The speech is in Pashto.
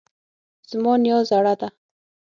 زما نیا زړه ده